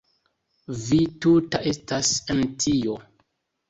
Vi tuta estas en tio!